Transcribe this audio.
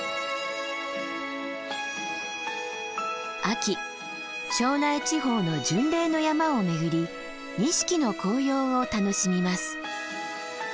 秋庄内地方の巡礼の山を巡り錦の紅葉を楽しみます。